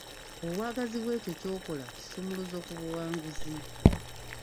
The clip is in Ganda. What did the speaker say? Obwagazi bwekyo ky'okola kisumuluzo ku buwanguzi.